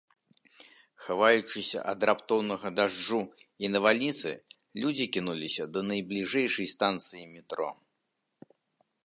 Хаваючыся ад раптоўнага дажджу і навальніцы, людзі кінуліся да найбліжэйшай станцыі метро.